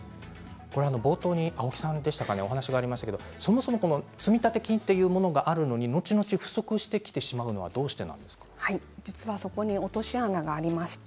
冒頭に青木さんでしたかねお話がありましたが、そもそも積立金というものがあるのにのちのち実はそこに落とし穴があります。